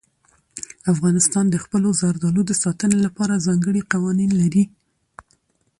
افغانستان د خپلو زردالو د ساتنې لپاره ځانګړي قوانین لري.